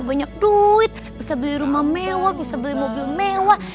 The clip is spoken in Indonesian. jangan lupa subscribe unoako